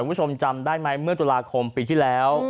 คุณผู้ชมจำได้ไหมเมื่อตุลาคมปีที่แล้ว